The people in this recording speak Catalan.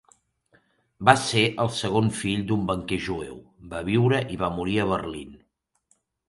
Va ser el segon fill d'un banquer jueu, va viure i va morir a Berlín.